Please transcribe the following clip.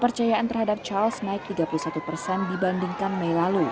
prins charles dengan tingkat yang sama